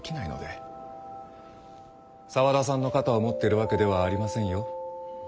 沢田さんの肩を持ってるわけではありませんよ。